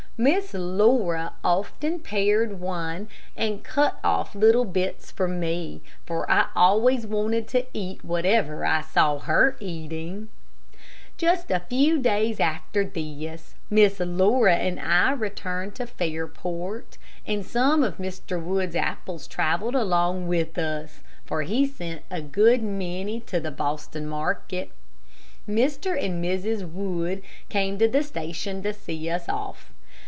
Miss Laura often pared one and cut off little bits for me, for I always wanted to eat whatever I saw her eating. Just a few days after this, Miss Laura and I returned to Fairport, and some of Mr. Wood's apples traveled along with us, for he sent a good many to the Boston market. Mr. and Mrs. Wood came to the station to see us off.